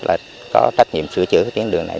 là có trách nhiệm sửa chữa tiến đường này